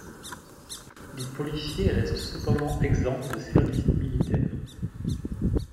Les policiers restent cependant exempts de service militaire.